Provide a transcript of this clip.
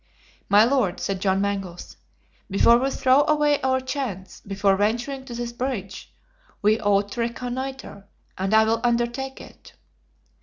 "My Lord," said John Mangles, "before we throw away our chance, before venturing to this bridge, we ought to reconnoiter, and I will undertake it."